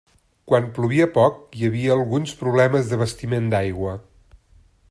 Quan plovia poc hi havia alguns problemes d'abastiment d'aigua.